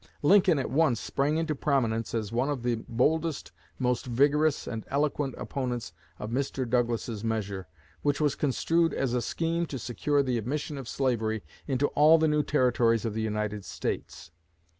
Lincoln at once sprang into prominence as one of the boldest, most vigorous and eloquent opponents of Mr. Douglas's measure, which was construed as a scheme to secure the admission of slavery into all the new territories of the United States.